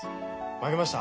負けました。